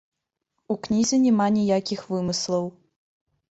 У кнізе няма ніякіх вымыслаў.